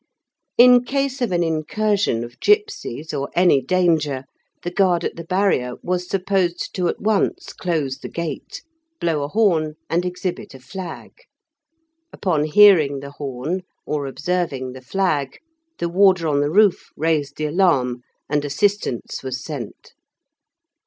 In case of an incursion of gipsies, or any danger, the guard at the barrier was supposed to at once close the gate, blow a horn, and exhibit a flag. Upon hearing the horn or observing the flag, the warder on the roof raised the alarm, and assistance was sent.